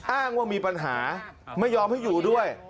อ้างว่ามีปัญหาไม่ยอมให้อยู่ด้วย